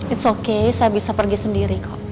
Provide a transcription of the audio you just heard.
it's okay saya bisa pergi sendiri kok